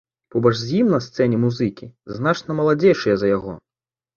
Побач з ім на сцэне музыкі, значна маладзейшыя за яго.